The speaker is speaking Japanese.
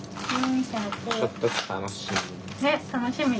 ちょっと楽しみ。